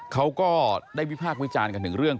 เขาก็ได้วิพากษ์วิจารณ์กันถึงเรื่อง